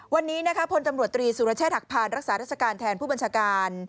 วันนี้นะคะพลตำรวจตรีสุรเชษฐหักพานรักษาราชการแทนผู้บัญชาการ